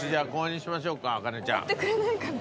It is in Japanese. おごってくれないかな？